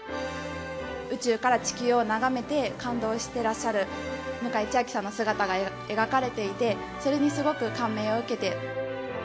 宇宙から地球を眺めて感動してらっしゃる向井千秋さんの姿が描かれていて、それにすごく感銘を受けて。